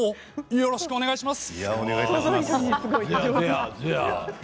よろしくお願いします。